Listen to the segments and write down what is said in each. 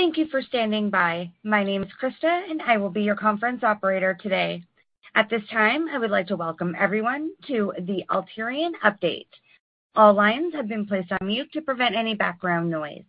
Thank you for standing by. My name is Krista, and I will be your conference operator today. At this time, I would like to welcome everyone to the Aterian update. All lines have been placed on mute to prevent any background noise.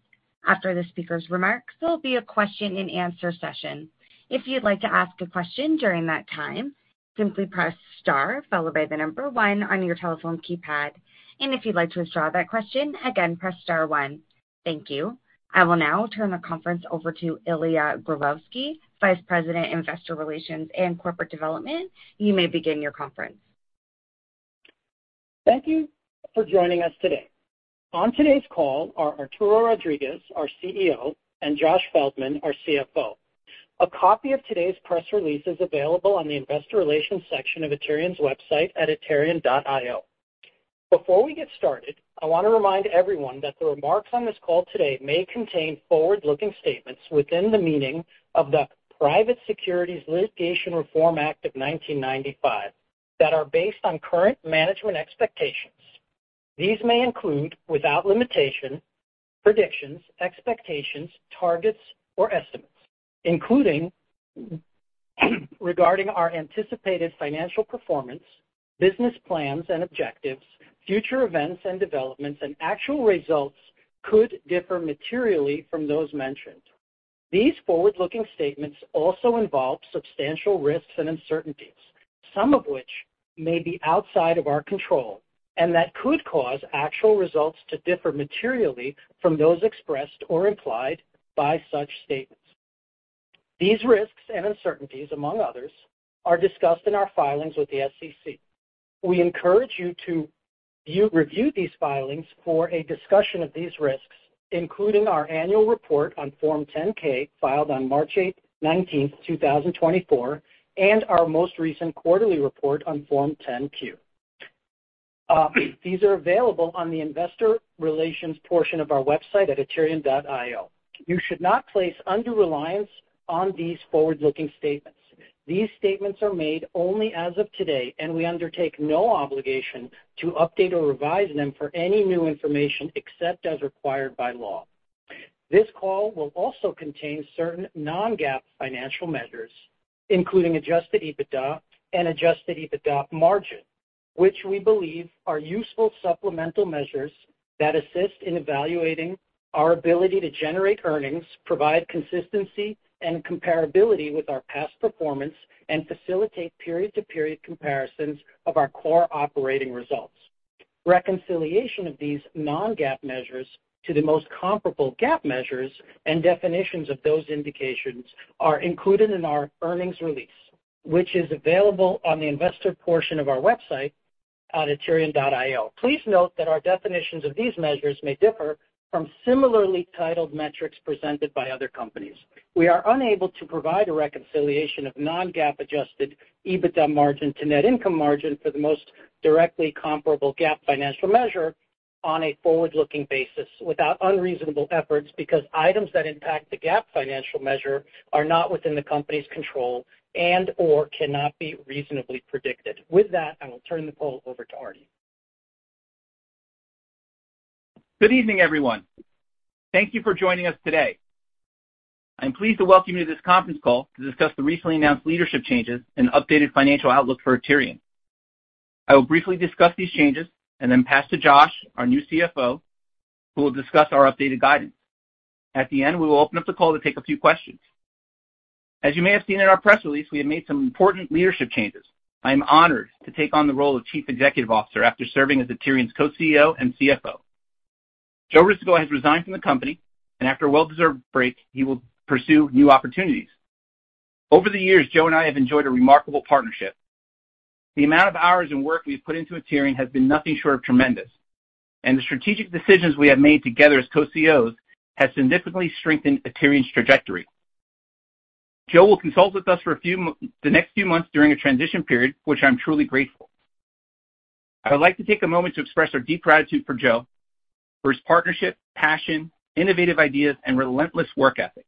After the speaker's remarks, there will be a question-and-answer session. If you'd like to ask a question during that time, simply press star, followed by the number one on your telephone keypad, and if you'd like to withdraw that question again, press star one. Thank you. I will now turn the conference over to Ilya Grozovsky, Vice President, Investor Relations and Corporate Development. You may begin your conference. Thank you for joining us today. On today's call are Arturo Rodriguez, our CEO, and Josh Feldman, our CFO. A copy of today's press release is available on the investor relations section of Aterian's website at aterian.io. Before we get started, I want to remind everyone that the remarks on this call today may contain forward-looking statements within the meaning of the Private Securities Litigation Reform Act of 1995, that are based on current management expectations. These may include, without limitation, predictions, expectations, targets, or estimates, including, regarding our anticipated financial performance, business plans and objectives, future events and developments, and actual results could differ materially from those mentioned. These forward-looking statements also involve substantial risks and uncertainties, some of which may be outside of our control, and that could cause actual results to differ materially from those expressed or implied by such statements. These risks and uncertainties, among others, are discussed in our filings with the SEC. We encourage you to review these filings for a discussion of these risks, including our annual report on Form 10-K, filed on March 28, 2024, and our most recent quarterly report on Form 10-Q. These are available on the investor relations portion of our website at aterian.io. You should not place undue reliance on these forward-looking statements. These statements are made only as of today, and we undertake no obligation to update or revise them for any new information, except as required by law. This call will also contain certain non-GAAP financial measures, including Adjusted EBITDA and Adjusted EBITDA margin, which we believe are useful supplemental measures that assist in evaluating our ability to generate earnings, provide consistency and comparability with our past performance, and facilitate period-to-period comparisons of our core operating results. Reconciliation of these non-GAAP measures to the most comparable GAAP measures and definitions of those measures are included in our earnings release, which is available on the investor portion of our website at aterian.io. Please note that our definitions of these measures may differ from similarly titled metrics presented by other companies. We are unable to provide a reconciliation of non-GAAP adjusted EBITDA margin to net income margin for the most directly comparable GAAP financial measure on a forward-looking basis without unreasonable efforts, because items that impact the GAAP financial measure are not within the company's control and/or cannot be reasonably predicted. With that, I will turn the call over to Artie. Good evening, everyone. Thank you for joining us today. I'm pleased to welcome you to this conference call to discuss the recently announced leadership changes and updated financial outlook for Aterian. I will briefly discuss these changes and then pass to Josh, our new CFO, who will discuss our updated guidance. At the end, we will open up the call to take a few questions. As you may have seen in our press release, we have made some important leadership changes. I am honored to take on the role of Chief Executive Officer after serving as Aterian's Co-CEO and CFO. Joe Risico has resigned from the company, and after a well-deserved break, he will pursue new opportunities. Over the years, Joe and I have enjoyed a remarkable partnership. The amount of hours and work we've put into Aterian has been nothing short of tremendous, and the strategic decisions we have made together as Co-CEOs has significantly strengthened Aterian's trajectory. Joe will consult with us for the next few months during a transition period, which I'm truly grateful. I would like to take a moment to express our deep gratitude for Joe, for his partnership, passion, innovative ideas, and relentless work ethic.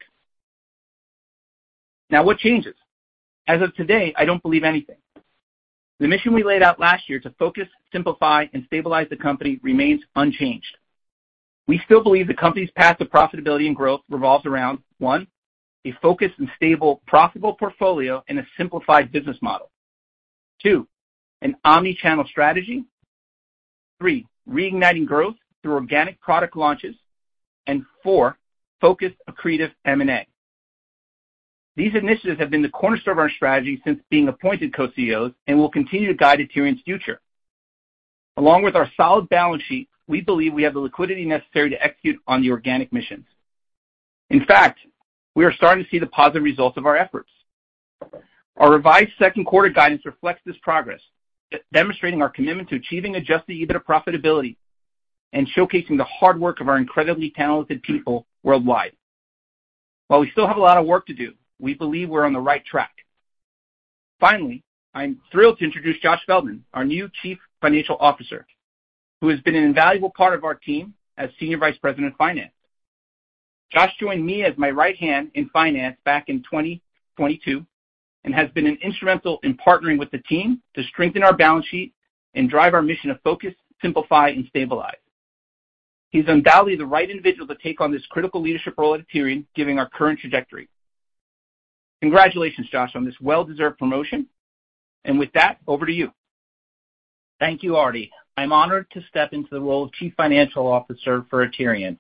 Now, what changes? As of today, I don't believe anything. The mission we laid out last year to focus, simplify, and stabilize the company remains unchanged. We still believe the company's path to profitability and growth revolves around, one, a focused and stable, profitable portfolio and a simplified business model. Two, an omni-channel strategy. Three, reigniting growth through organic product launches. And four, focused accretive M&A. These initiatives have been the cornerstone of our strategy since being appointed Co-CEOs and will continue to guide Aterian's future. Along with our solid balance sheet, we believe we have the liquidity necessary to execute on the organic missions. In fact, we are starting to see the positive results of our efforts. Our revised second quarter guidance reflects this progress, demonstrating our commitment to achieving Adjusted EBITDA profitability and showcasing the hard work of our incredibly talented people worldwide. While we still have a lot of work to do, we believe we're on the right track. Finally, I'm thrilled to introduce Josh Feldman, our new Chief Financial Officer, who has been an invaluable part of our team as Senior Vice President of Finance. Josh joined me as my right hand in finance back in 2022-... has been instrumental in partnering with the team to strengthen our balance sheet and drive our mission of focus, simplify, and stabilize. He's undoubtedly the right individual to take on this critical leadership role at Aterian, given our current trajectory. Congratulations, Josh, on this well-deserved promotion. And with that, over to you. Thank you, Artie. I'm honored to step into the role of Chief Financial Officer for Aterian.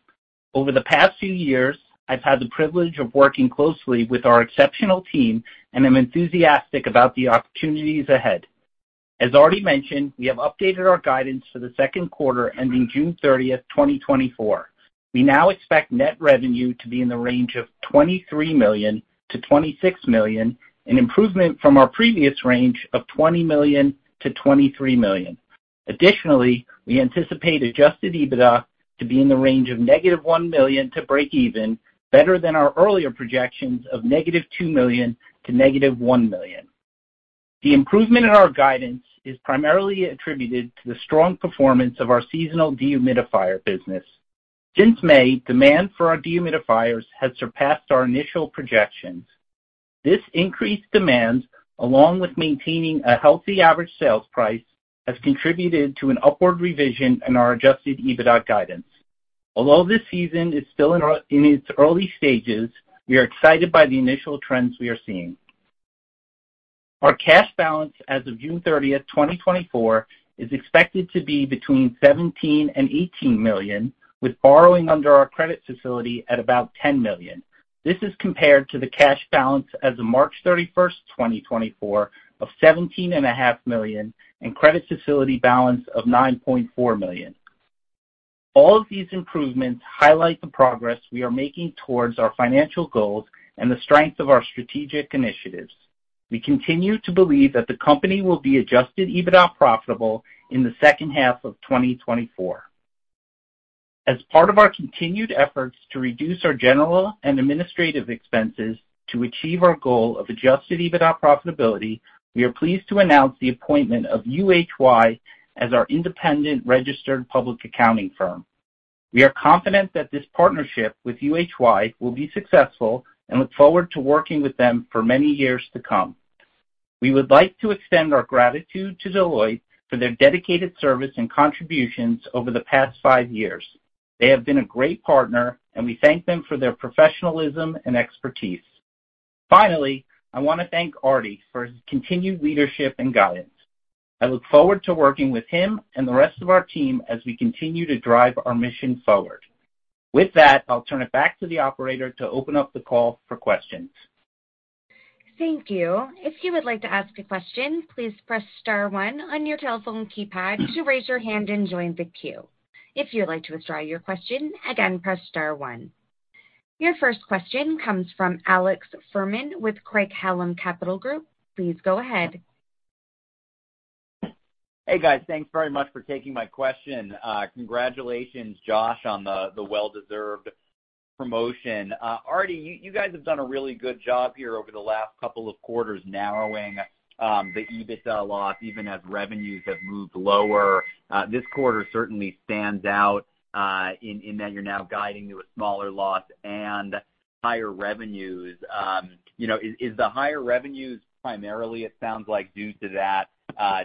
Over the past few years, I've had the privilege of working closely with our exceptional team, and I'm enthusiastic about the opportunities ahead. As already mentioned, we have updated our guidance for the second quarter, ending June 30, 2024. We now expect net revenue to be in the range of $23 million-$26 million, an improvement from our previous range of $20 million-$23 million. Additionally, we anticipate adjusted EBITDA to be in the range of -$1 million to breakeven, better than our earlier projections of -$2 million to -$1 million. The improvement in our guidance is primarily attributed to the strong performance of our seasonal dehumidifier business. Since May, demand for our dehumidifiers has surpassed our initial projections. This increased demand, along with maintaining a healthy average sales price, has contributed to an upward revision in our Adjusted EBITDA guidance. Although this season is still in its early stages, we are excited by the initial trends we are seeing. Our cash balance as of June 30, 2024, is expected to be between $17 million and $18 million, with borrowing under our credit facility at about $10 million. This is compared to the cash balance as of March 31, 2024, of $17.5 million, and credit facility balance of $9.4 million. All of these improvements highlight the progress we are making towards our financial goals and the strength of our strategic initiatives. We continue to believe that the company will be Adjusted EBITDA profitable in the second half of 2024. As part of our continued efforts to reduce our general and administrative expenses to achieve our goal of Adjusted EBITDA profitability, we are pleased to announce the appointment of UHY as our independent registered public accounting firm. We are confident that this partnership with UHY will be successful and look forward to working with them for many years to come. We would like to extend our gratitude to Deloitte for their dedicated service and contributions over the past five years. They have been a great partner, and we thank them for their professionalism and expertise. Finally, I want to thank Artie for his continued leadership and guidance. I look forward to working with him and the rest of our team as we continue to drive our mission forward. With that, I'll turn it back to the operator to open up the call for questions. Thank you. If you would like to ask a question, please press star one on your telephone keypad to raise your hand and join the queue. If you'd like to withdraw your question, again, press star one. Your first question comes from Alex Fuhrman with Craig-Hallum Capital Group. Please go ahead. Hey, guys. Thanks very much for taking my question. Congratulations, Josh, on the well-deserved promotion. Artie, you guys have done a really good job here over the last couple of quarters, narrowing the EBITDA loss, even as revenues have moved lower. This quarter certainly stands out in that you're now guiding to a smaller loss and higher revenues. You know, is the higher revenues primarily, it sounds like, due to that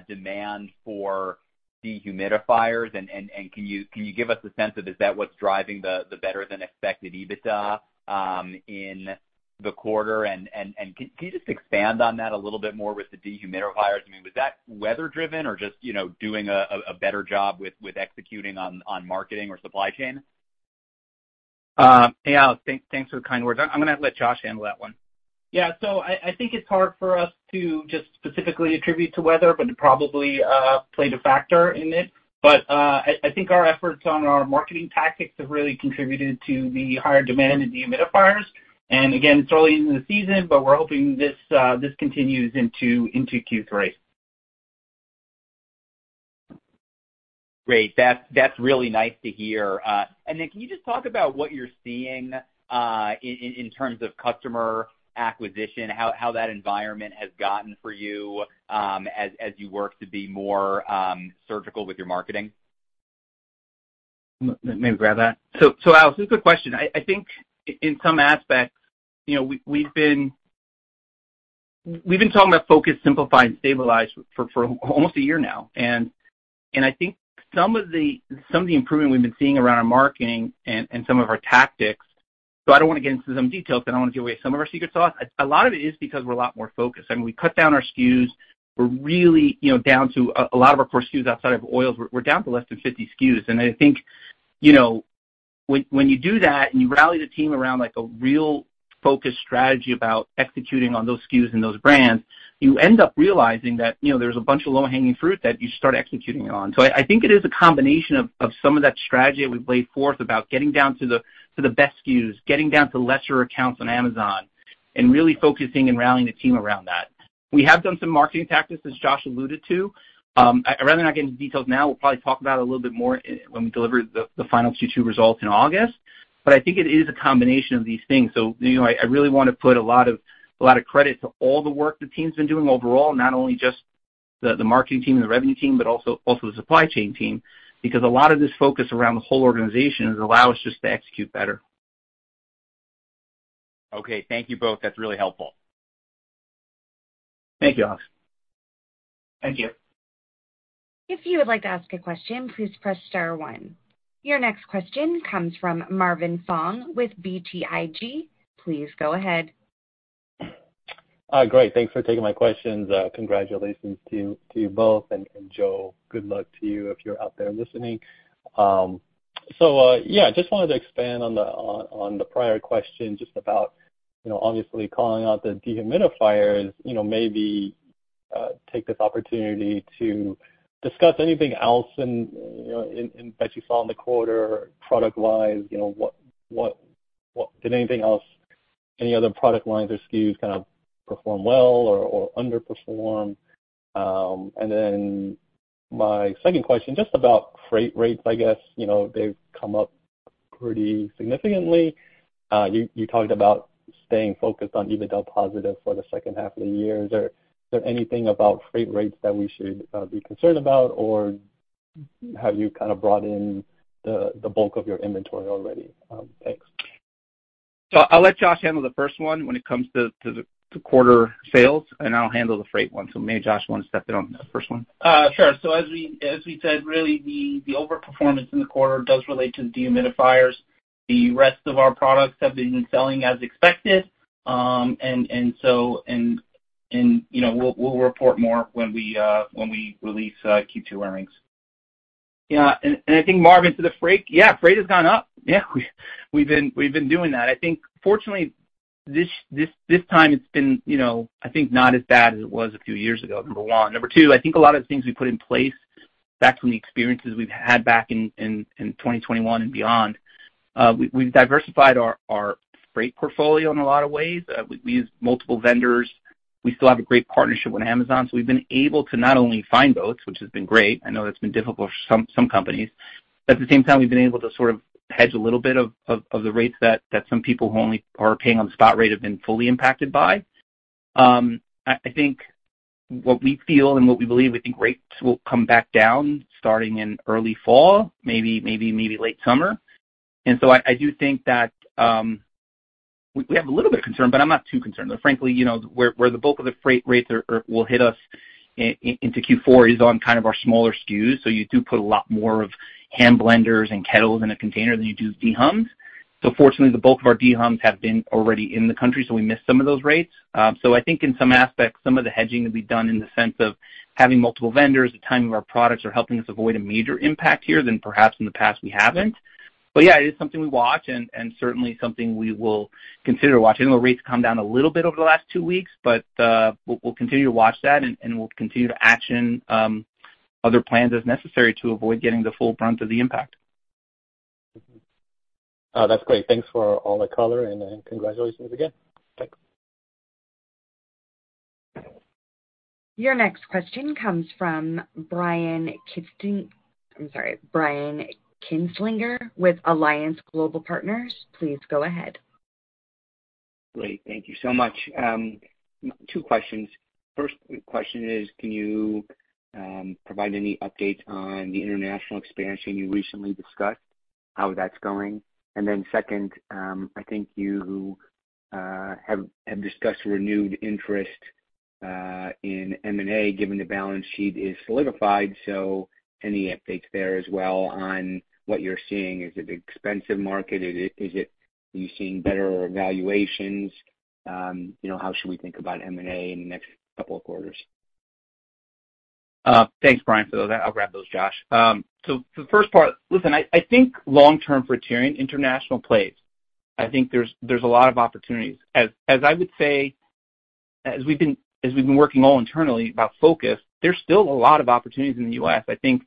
demand for dehumidifiers? And can you give us a sense of, is that what's driving the better-than-expected EBITDA in the quarter? And can you just expand on that a little bit more with the dehumidifiers? I mean, was that weather driven or just, you know, doing a better job with executing on marketing or supply chain? Hey, Alex, thanks, thanks for the kind words. I'm gonna let Josh handle that one. Yeah. So I think it's hard for us to just specifically attribute to weather, but it probably played a factor in it. But I think our efforts on our marketing tactics have really contributed to the higher demand in dehumidifiers. And again, it's early in the season, but we're hoping this continues into Q3. Great. That's really nice to hear. And then can you just talk about what you're seeing in terms of customer acquisition, how that environment has gotten for you, as you work to be more surgical with your marketing? Maybe grab that. So, Alex, it's a good question. I think in some aspects, you know, we've been talking about focus, simplify, and stabilize for almost a year now. And I think some of the improvement we've been seeing around our marketing and some of our tactics, so I don't want to get into some details, but I don't want to give away some of our secret sauce. A lot of it is because we're a lot more focused, and we cut down our SKUs. We're really, you know, down to a lot of our core SKUs outside of oils. We're down to less than 50 SKUs. And I think, you know, when you do that, and you rally the team around, like, a real focused strategy about executing on those SKUs and those brands, you end up realizing that, you know, there's a bunch of low-hanging fruit that you start executing on. So I think it is a combination of some of that strategy that we've laid forth about getting down to the best SKUs, getting down to lesser accounts on Amazon, and really focusing and rallying the team around that. We have done some marketing tactics, as Josh alluded to. I rather not get into details now. We'll probably talk about it a little bit more when we deliver the final Q2 results in August, but I think it is a combination of these things. So, you know, I really want to put a lot of credit to all the work the team's been doing overall, not only just the marketing team and the revenue team, but also the supply chain team, because a lot of this focus around the whole organization has allowed us just to execute better. Okay, thank you both. That's really helpful. Thank you, Alex. Thank you. If you would like to ask a question, please press star one. Your next question comes from Marvin Fong with BTIG. Please go ahead. Great. Thanks for taking my questions. Congratulations to you both, and Joe, good luck to you if you're out there listening. So, just wanted to expand on the prior question, just about, you know, obviously calling out the dehumidifiers, you know, maybe take this opportunity to discuss anything else and, you know, and that you saw in the quarter product-wise, you know, did anything else, any other product lines or SKUs kind of perform well or underperform? And then my second question, just about freight rates, I guess, you know, they've come up pretty significantly. You talked about staying focused on EBITDA positive for the second half of the year. Is there, is there anything about freight rates that we should be concerned about, or have you kind of brought in the, the bulk of your inventory already? Thanks. So I'll let Josh handle the first one when it comes to the quarter sales, and I'll handle the freight one. So maybe Josh, you want to step in on the first one? Sure. So as we said, really, the overperformance in the quarter does relate to the dehumidifiers. The rest of our products have been selling as expected. And you know, we'll report more when we release Q2 earnings. Yeah, and I think, Marvin, to the freight, yeah, freight has gone up. Yeah, we've been doing that. I think fortunately, this time it's been, you know, I think not as bad as it was a few years ago, number one. Number two, I think a lot of the things we put in place back from the experiences we've had back in 2021 and beyond, we've diversified our freight portfolio in a lot of ways. We use multiple vendors. We still have a great partnership with Amazon, so we've been able to not only find boats, which has been great, I know that's been difficult for some companies, but at the same time, we've been able to sort of hedge a little bit of the rates that some people who only are paying on the spot rate have been fully impacted by. I think what we feel and what we believe, we think rates will come back down starting in early fall, maybe late summer. So I do think that we have a little bit of concern, but I'm not too concerned. But frankly, you know, where the bulk of the freight rates are will hit us into Q4 is on kind of our smaller SKUs, so you do put a lot more of hand blenders and kettles in a container than you do dehumms. So fortunately, the bulk of our dehumms have been already in the country, so we missed some of those rates. So I think in some aspects, some of the hedging that we've done in the sense of having multiple vendors, the timing of our products are helping us avoid a major impact here than perhaps in the past we haven't. But yeah, it is something we watch and certainly something we will consider watching. I know rates come down a little bit over the last two weeks, but we'll continue to watch that, and we'll continue to action other plans as necessary to avoid getting the full brunt of the impact. Mm-hmm. That's great. Thanks for all the color, and congratulations again. Thanks. Your next question comes from Brian Kinslinger... I'm sorry, Brian Kinstlinger with Alliance Global Partners. Please go ahead. Great. Thank you so much. Two questions. First question is, can you provide any update on the international expansion you recently discussed, how that's going? And then second, I think you have discussed renewed interest in M&A, given the balance sheet is solidified, so any updates there as well on what you're seeing? Is it an expensive market? Are you seeing better valuations? You know, how should we think about M&A in the next couple of quarters? Thanks, Brian, for those. I'll grab those, Josh. So for the first part, listen, I think long term for Aterian International plays, I think there's a lot of opportunities. As I would say, as we've been working all internally about focus, there's still a lot of opportunities in the U.S. I think,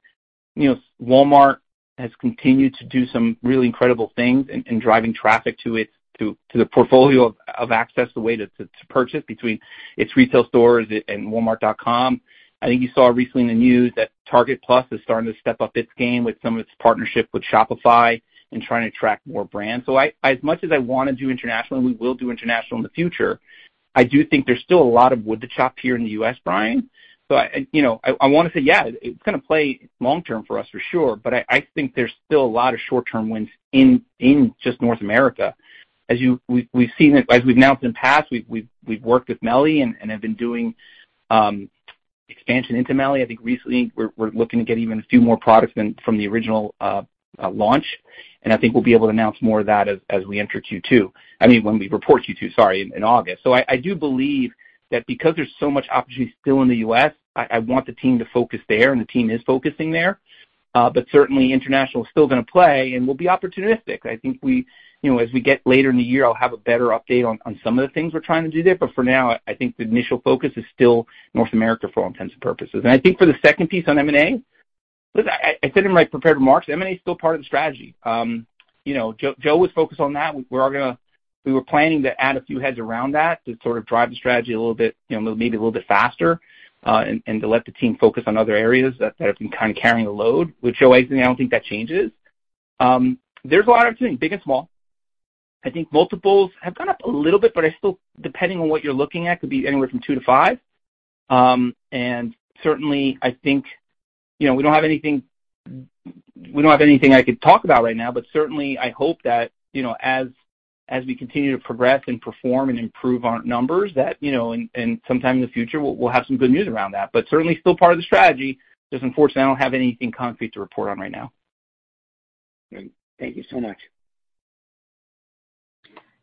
you know, Walmart has continued to do some really incredible things in driving traffic to it, to the portfolio of access, the way to purchase between its retail stores and Walmart.com. I think you saw recently in the news that Target Plus is starting to step up its game with some of its partnership with Shopify and trying to attract more brands. So I, as much as I wanna do international, and we will do international in the future, I do think there's still a lot of wood to chop here in the U.S., Brian. So I, you know, I wanna say, yeah, it's gonna play long term for us for sure, but I think there's still a lot of short-term wins in just North America. As we've seen it, as we've announced in the past, we've worked with MELI and have been doing expansion into MELI. I think recently we're looking to get even a few more products than from the original launch, and I think we'll be able to announce more of that as we enter Q2. I mean, when we report Q2, sorry, in August. So I do believe that because there's so much opportunity still in the U.S., I want the team to focus there, and the team is focusing there. But certainly international is still gonna play, and we'll be opportunistic. I think we, you know, as we get later in the year, I'll have a better update on some of the things we're trying to do there, but for now, I think the initial focus is still North America for all intents and purposes. And I think for the second piece on M&A, listen, I said in my prepared remarks, M&A is still part of the strategy. You know, Joe was focused on that. We're all gonna. We were planning to add a few heads around that to sort of drive the strategy a little bit, you know, maybe a little bit faster, and to let the team focus on other areas that have been kind of carrying a load, which always, I don't think that changes. There's a lot of opportunity, big and small. I think multiples have gone up a little bit, but I still, depending on what you're looking at, could be anywhere from 2 to 5. And certainly, I think, you know, we don't have anything, we don't have anything I could talk about right now, but certainly I hope that, you know, as we continue to progress and perform and improve our numbers, that, you know, and sometime in the future we'll have some good news around that. But certainly still part of the strategy, just unfortunately I don't have anything concrete to report on right now. Great. Thank you so much.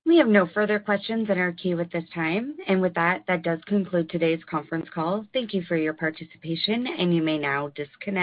We have no further questions in our queue at this time. And with that, that does conclude today's conference call. Thank you for your participation, and you may now disconnect.